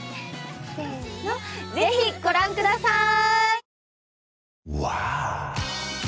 せぇのぜひご覧ください！